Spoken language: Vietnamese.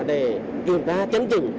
để kiểm soát chấn chỉnh